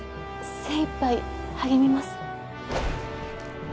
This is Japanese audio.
精いっぱい励みます。